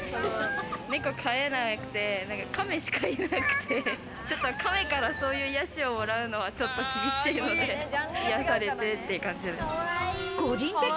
猫飼えなくて、亀しかいなくて、亀からそういう癒やしをもらうのはちょっと厳しいので、癒やされてって感じです。